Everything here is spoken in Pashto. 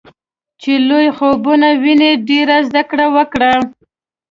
چې لوی خوبونه وويني ډېره زده کړه وکړي.